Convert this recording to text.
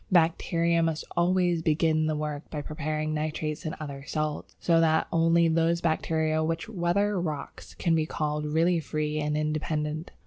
Bacteria must always begin the work by preparing nitrates and other salts. So that only those bacteria which weather rocks can be called really free and independent.